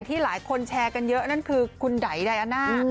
ที่หลายคนแชร์กันเยอะนั่นคือคุณไดอาน่า